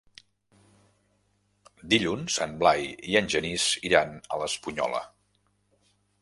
Dilluns en Blai i en Genís iran a l'Espunyola.